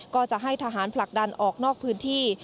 ก็จะให้ทหารผลักดันออกนอกพื้นที่